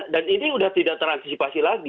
dan ini sudah tidak terantisipasi lagi